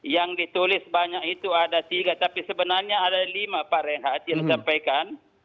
yang ditulis banyak itu ada tiga tapi sebenarnya ada lima pak reinhardt yang disampaikan